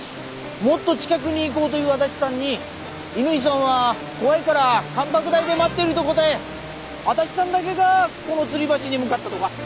もっと近くに行こうと言う足立さんに乾さんは怖いから観瀑台で待ってると答え足立さんだけがこの吊り橋に向かったとか。